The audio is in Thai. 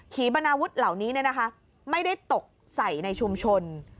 ขี่บรรนาวุธเหล่านี้เนี่ยนะคะไม่ได้ตกใส่ในชุมชน